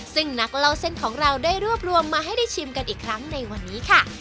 ซึ่งนักเล่าเส้นของเราได้รวบรวมมาให้ได้ชิมกันอีกครั้งในวันนี้ค่ะ